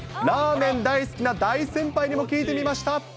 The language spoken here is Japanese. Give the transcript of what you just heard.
ラーメン大好きな大先輩にも聞いてみました。